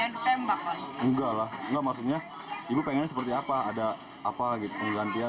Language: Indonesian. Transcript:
pemerintah provinsi dki jakarta mengatakan bahwa pemerintah tidak akan memiliki pengganti